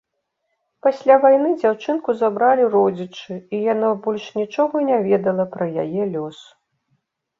Пасля вайны дзяўчынку забралі родзічы, і яна больш нічога не ведала пра яе лёс.